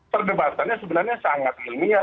perdebatannya sebenarnya sangat ilmiah